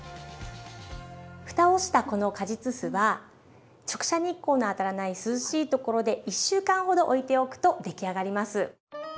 ふたをしたこの果実酢は直射日光の当たらない涼しいところで１週間ほどおいておくと出来上がります。